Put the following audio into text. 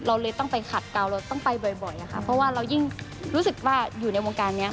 เราเลยต้องไปขัดเกาเราต้องไปบ่อยอะค่ะเพราะว่าเรายิ่งรู้สึกว่าอยู่ในวงการนี้